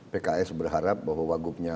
pks berharap bahwa wakilnya